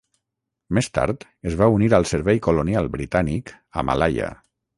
Més tard es va unir al servei colonial britànic a Malaia.